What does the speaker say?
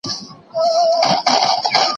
د اشنا مالا امانت به دې ساتمه